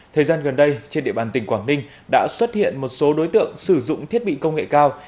thời gian gần đây trên địa bàn tỉnh quảng ninh đã xuất hiện một số đối tượng sử dụng thiết bị công nghệ cao